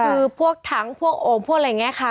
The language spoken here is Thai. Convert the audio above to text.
คือพวกถังพวกโอมพวกอะไรอย่างนี้ค่ะ